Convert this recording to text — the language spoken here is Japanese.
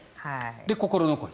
心残り。